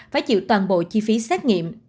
phải chịu toàn bộ chi phí xét nghiệm